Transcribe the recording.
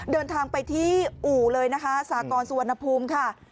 เดินทางไปที่อู่เลยนะคะสากรสุวรรณภูมิค่ะ